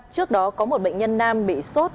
trước đó có một bệnh nhân nam bị sốt